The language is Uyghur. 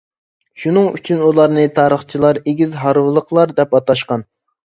شۇنىڭ ئۈچۈن ئۇلارنى تارىخچىلار ئېگىز ھارۋىلىقلار دەپ ئاتاشقان.